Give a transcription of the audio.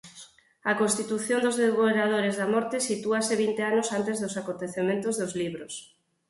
A constitución dos Devoradores da Morte sitúase vinte anos antes dos acontecementos dos libros.